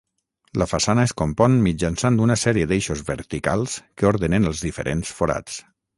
La façana es compon mitjançant una sèrie d'eixos verticals que ordenen els diferents forats.